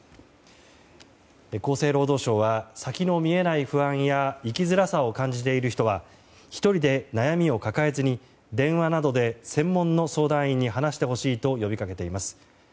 厚生労働省は先の見えない不安や生きづらさを感じている人は１人で悩みを抱えずに電話などで専門の相談員に話してほしいと呼びかけています。